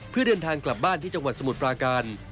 เพื่อเดินทางกลับบ้านที่จังหวัดสมุทรปราการ